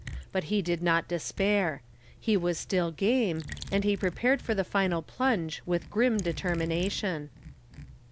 But he did not despair. He was still game, and he prepared for the final plunge with grim determination.